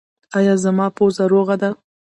ایا زما پوزه روغه ده؟